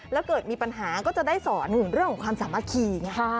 แล้วเกิดมีปัญหาก็จะได้สอนเรื่องของความสามัคคีไง